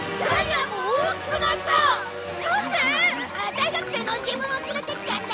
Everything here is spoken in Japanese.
大学生の自分を連れてきたんだ！